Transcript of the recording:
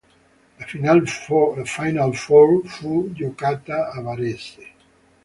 La "Final Four" fu giocata a Varese.